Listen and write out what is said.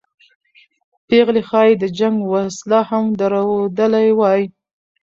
پېغلې ښایي د جنګ وسله هم درلودلې وای.